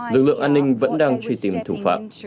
lực lượng an ninh vẫn đang truy tìm thủ phạm